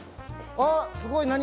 あっすごい何？